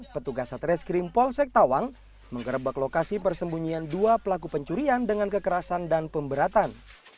petugas satreskrim polsek tawang menggerebek lokasi persembunyian dua pelaku pencurian dengan kekerasan dan pemberatan